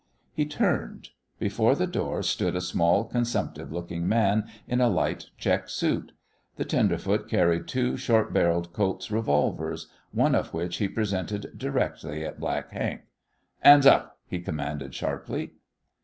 He turned. Before the door stood a small consumptive looking man in a light check suit. The tenderfoot carried two short barrelled Colt's revolvers, one of which he presented directly at Black Hank. "'Nds up!" he commanded, sharply.